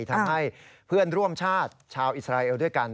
ทำให้เพื่อนร่วมชาติชาวอิสราเอลด้วยกัน